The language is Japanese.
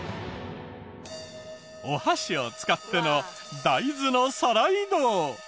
お箸を使っての大豆の皿移動。